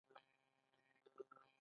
بدلون له منلو پرته ناشونی دی.